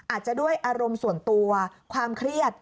อาจจะด้วยอารมณ์ส่วนตัวความเครียด